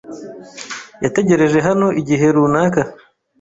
Yategereje hano igihe runaka.